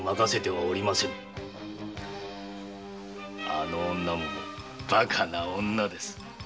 あの女もバカな女です。